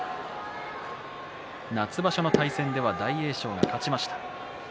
夏場所の対戦では大栄翔が勝ちました。